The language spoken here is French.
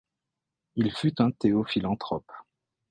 Il fut un théophilanthrope.